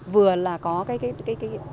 vừa là có cái cái cái cái